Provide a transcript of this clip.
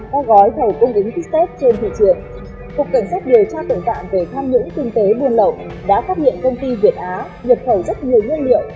các gói khẩu cung kính tít xét trên thị trường cục cảnh sát điều tra tưởng tạm về tham nhũng kinh tế buôn lộng đã phát hiện công ty việt á nhập khẩu rất nhiều nguyên liệu